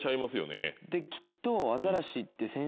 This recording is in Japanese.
できっと。